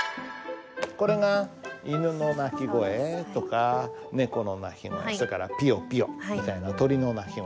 これが犬の鳴き声とか猫の鳴き声それからピヨピヨみたいな鳥の鳴き声。